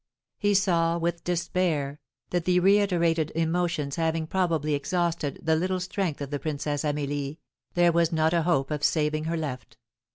He saw with despair that the reiterated emotions having probably exhausted the little strength of the Princess Amelie, there was not a hope of saving her left.